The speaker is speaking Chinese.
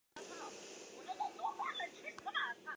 经济以轻工业为主。